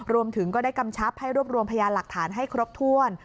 รวมถึงก็ได้กำชับให้รวบรวมพยานหลักฐานให้ครบถ้วน